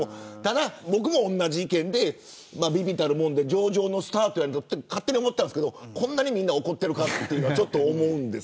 僕も同じ意見で微々たるもので上々のスタートだと勝手に思っていたんですけどこんなにみんな怒っているかと。